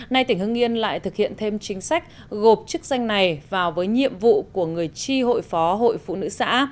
nay tỉnh hưng yên lại thực hiện thêm chính sách gộp chức danh này vào với nhiệm vụ của người tri hội phó hội phụ nữ xã